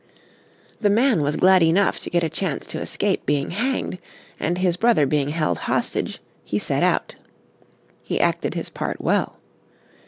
The man was glad enough to get a chance to escape being hanged, and his brother being held as hostage, he set out. He acted his part well.